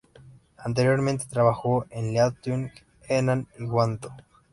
Anteriormente trabajó en Liaoning, Henan y Guangdong